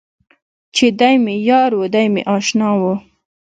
چې دی مې یار و، دی مې اشنا و.